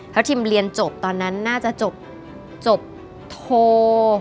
แล้วทีมเรียนจบตอนนั้นน่าจะจบโทร